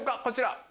こちら。